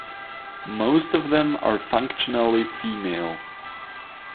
Most of them are functionally female.